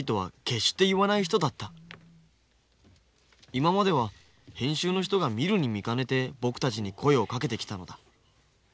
今までは編集の人が見るに見かねて僕たちに声をかけてきたのだ。